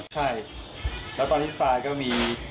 ใช่แล้วตอนนี้ทรายก็มี